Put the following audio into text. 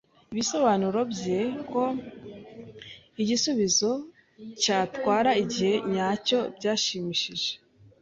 Ibisobanuro bye ko igisubizo cyatwara igihe ntacyo byashimishije.